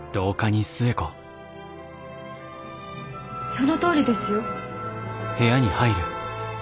そのとおりですよ。